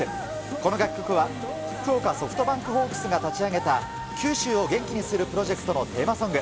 この楽曲は、福岡ソフトバンクホークスが立ち上げた九州を元気にするプロジェクトのテーマソング。